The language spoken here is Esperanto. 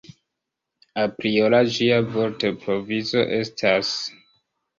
Apriora ĝia vortprovizo estas.